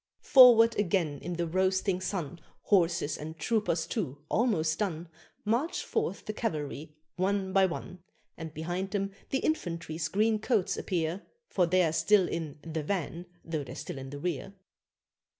'" Forward again in the roasting sun, Horses and troopers, too, almost done, March forth the cavalry, one by one; And behind them the infantry's green coats appear, For they're still in "the van" though they're still in the rear.